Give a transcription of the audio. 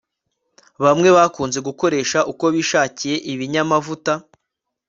Bamwe bakunze gukoresha uko bishakiye ibinyamavuta